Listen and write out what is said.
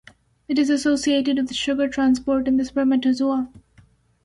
It is associated with sugar transport in the spermatozoa.